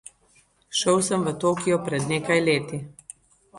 Šel sem v Tokio pred nekaj leti.